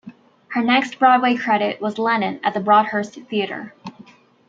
Her next Broadway credit was "Lennon" at the Broadhurst Theatre.